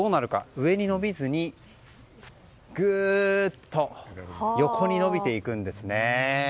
上に伸びずにグーッと横に伸びていくんです。